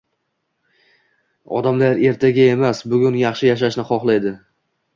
Odamlar ertaga emas, bugun yaxshi yashashni xohlayding